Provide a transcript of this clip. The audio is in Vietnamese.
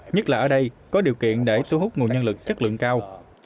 nhất là ở đây có điều kiện để thu hút nguồn nhân lực chất lượng cao